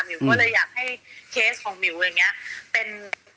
ก็เลยอยากให้เคสของหมิวอย่างนี้เป็น